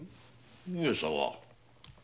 上様？